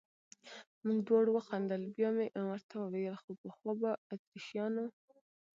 موږ دواړو وخندل، بیا مې ورته وویل: خو پخوا به اتریشیانو.